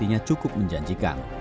jadinya cukup menjanjikan